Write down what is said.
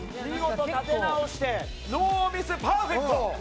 見事、立て直して、ノーミス、パーフェクト。